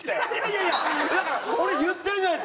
いやいやだから俺言ってるじゃないですか。